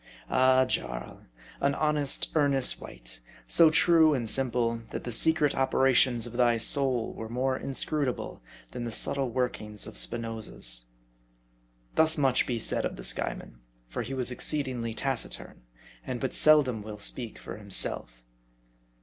Ah, Jarl ! an honest, earnest wight ; so true and simple, that the secret operations of thy soul were more inscrutable than the subtle workings of Spinoza's. Thus much be said of the Skyeman ; for he was exceed ingly taciturn, and but seldom will speak for himself.